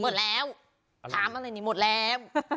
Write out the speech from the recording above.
หมดแล้วถามอะไรนี่หมดแล้ว